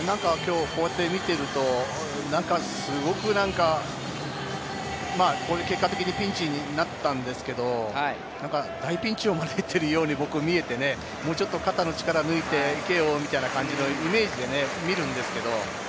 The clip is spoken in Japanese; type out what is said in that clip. こうやって見ているとすごくなんか、結果的にピンチになったんですけれど、大ピンチを招いているように僕は見えて、もう少し肩の力を抜いていけよというふうに見えるんですけれど。